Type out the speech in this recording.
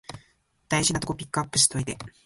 大事なとこピックアップしといて